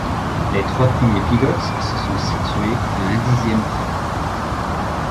Les trois premiers pilotes se sont situés à un dixième près.